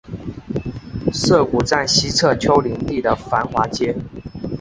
涩谷站西侧丘陵地的繁华街。